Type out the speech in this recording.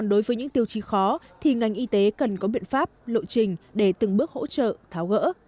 đối với những tiêu chí khó thì ngành y tế cần có biện pháp lộ trình để từng bước hỗ trợ tháo gỡ